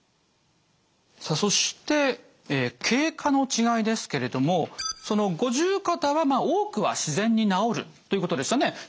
さあそして経過の違いですけれども五十肩は多くは自然に治るということでしたね。